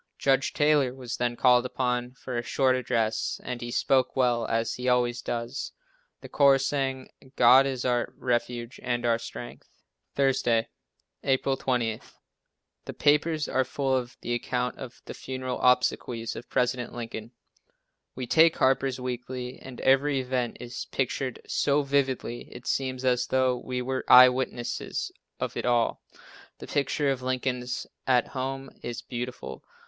Judge Taylor was then called upon for a short address, and he spoke well, as he always does. The choir sang "God is our refuge and our strength." Thursday, April 20. The papers are full of the account of the funeral obsequies of President Lincoln. We take Harper's Weekly and every event is pictured so vividly it seems as though we were eye witnesses of it all. The picture of "Lincoln at home" is beautiful.